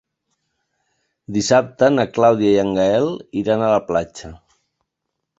Dissabte na Clàudia i en Gaël iran a la platja.